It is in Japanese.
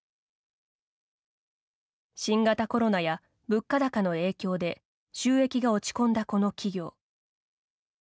新型コロナや物価高の影響で収益が落ち込んだ、この企業。